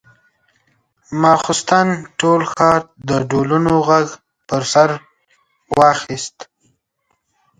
ماخستن ټول ښار د ډولونو غږ پر سر واخيست.